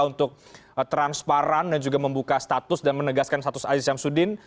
untuk transparan dan juga membuka status dan menegaskan status aziz syamsuddin